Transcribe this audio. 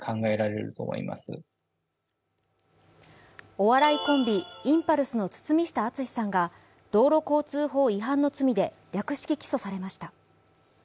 お笑いコンビインパルスの堤下敦さんが道路交通法違反の罪で略式起訴されました。